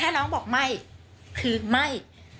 ถ้าจะทำให้เสื้อของได้